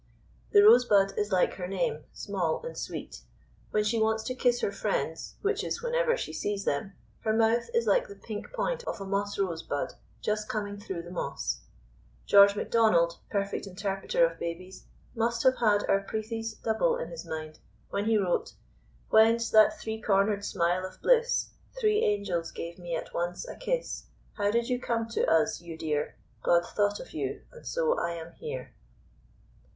The Rosebud is like her name, small and sweet. When she wants to kiss her friends, which is whenever she sees them, her mouth is like the pink point of a moss rose bud just coming through the moss. George Macdonald, perfect interpreter of babies, must have had our Preethie's double in his mind when he wrote: Whence that three cornered smile of bliss? Three angels gave me at once a kiss. How did you come to us, you dear? God thought of you, and so I am here.